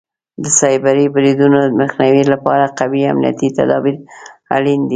د سایبري بریدونو مخنیوي لپاره قوي امنیتي تدابیر اړین دي.